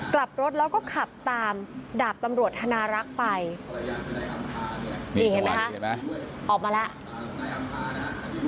กลับรถแล้วก็ขับตามดาบตำรวจธนารักษ์ไปนี่เห็นไหมคะเห็นไหมออกมาแล้ว